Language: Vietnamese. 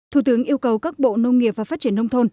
thủ tướng yêu cầu các bộ nông nghiệp và phát triển nông thôn